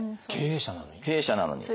経営者なのに？